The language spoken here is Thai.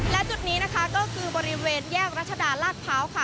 และจุดนี้นะคะก็คือบริเวณแยกรัชดาลาดพร้าวค่ะ